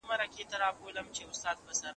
چي خپه راڅخه نه سې په پوښتنه